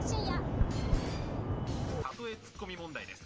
「例えツッコミ問題です」